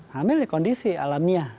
hamil ya kondisi alamiah